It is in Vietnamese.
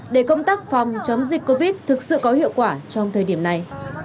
để công tác phòng chống dịch covid thực sự có hiệu quả trong thời điểm này